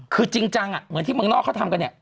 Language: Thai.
คือจริงจังเหมือนที่เมืองนอกเขาทำกันเนี่ย